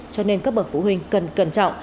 cho nên các bậc phụ huynh cần cẩn trọng